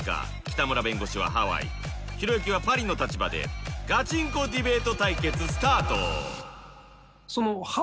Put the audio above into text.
北村弁護士はハワイひろゆきはパリの立場でガチンコディベート対決スタート！